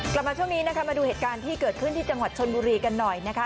กลับมาช่วงนี้นะคะมาดูเหตุการณ์ที่เกิดขึ้นที่จังหวัดชนบุรีกันหน่อยนะคะ